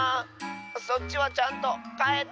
そっちはちゃんとかえた？